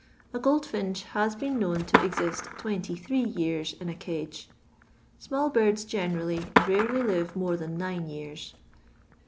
A goldfinch has been known to exist twenty three years in a cage. Small birds, gene rally, rarely live more than nine years.